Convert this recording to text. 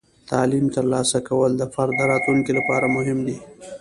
د تعلیم ترلاسه کول د فرد د راتلونکي لپاره مهم دی.